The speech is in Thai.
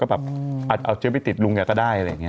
แบบอาจจะเอาเชื้อไปติดลุงแกก็ได้อะไรอย่างนี้